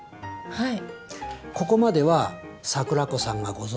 はい。